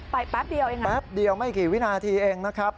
แป๊บเดียวเองนะแป๊บเดียวไม่กี่วินาทีเองนะครับ